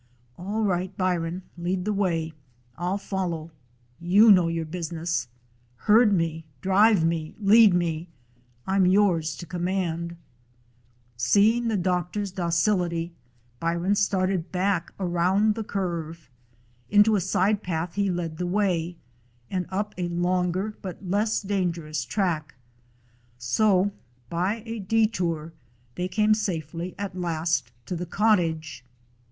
"All right, Byron, lead the way. I'll fol low. You know your business. Herd me, drive me, lead me ; I 'm yours to command." Seeing the doctor's docility, Byron started 144 A DOG OF SCOTLAND back around the curve. Into a side path he led the way, and up a longer but less danger ous track. So by a detour they came safely at last to the cottage.